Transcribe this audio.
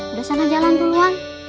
udah sana jalan duluan